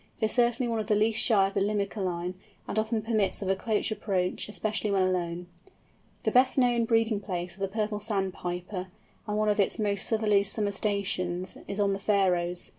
It is certainly one of the least shy of the Limicolæ, and often permits of a close approach, especially when alone. The best known breeding place of the Purple Sandpiper, and one of its most southerly summer stations, is on the Faröes.